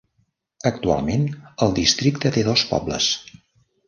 Actualment el districte té dos pobles.